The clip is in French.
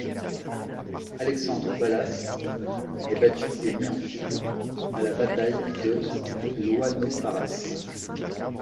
Alexandre Balas est battu et mis en fuite à la bataille de l'Oinoparas.